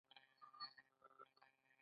خو زیات کار هغه اندازه کار دی چې توپیر لري